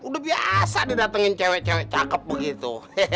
udah biasa didatengin cewek cewek cakep begitu